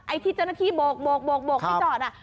ไอ้ที่เจ้าหน้าที่โบกอย่าจอดอ่ะ